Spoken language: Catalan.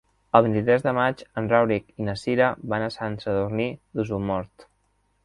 El vint-i-tres de maig en Rauric i na Cira van a Sant Sadurní d'Osormort.